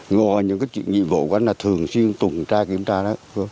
ngồi những cái chuyện nhiệm vụ của anh là thường xuyên tùng tra kiểm tra đó